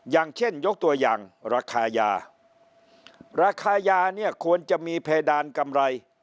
อย่างเช่นยกตัวอย่างราคายาราคายาเนี่ยควรจะมีเพดานกำไร